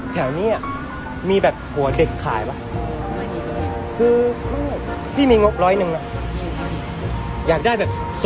คือพี่พี่จะเติมหนาหัวเด็กหรอ